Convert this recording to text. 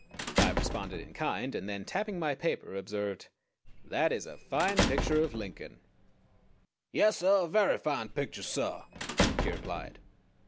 I responded in kind, and then tapping my paper observed: "That is a fine picture of Lincoln." "Yes, suh, a verruh fine picture, suh," he replied.